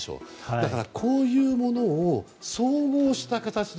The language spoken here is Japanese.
だから、こういうものを総合した形で。